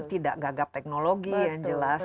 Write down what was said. tidak gagap teknologi yang jelas